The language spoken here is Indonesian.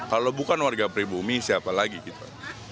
kalau bukan warga pribumi siapa lagi gitu